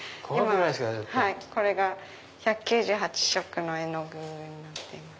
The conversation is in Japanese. これが１９８色の絵の具になってます。